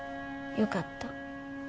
よかった。